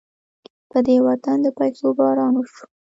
په دې وطن د پيسو باران وشو.